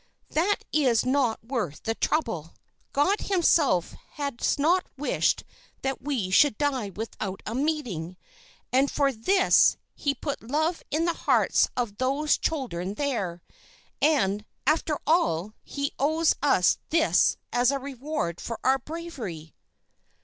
that is not worth the trouble. God himself has not wished that we should die without a meeting, and for this He put love in the hearts of those children there. And, after all, He owes us this as a reward for our bravery.